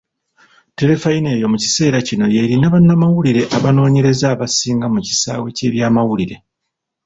Terefayina eyo mu kiseera kino y'erina bannamawulire abanoonyereza abasinga mu kisaawe ky'eby'amawulire.